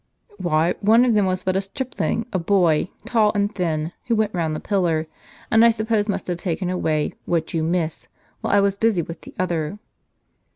"Why, one of them was but a stripling, a boy, tall and thin ; who went round the pillar, and I suppose must have taken away what you miss, while I was busy with the other."